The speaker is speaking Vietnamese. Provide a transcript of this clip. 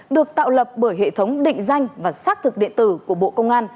được tạo lập bởi hệ thống định danh và sát thử điện tử của bộ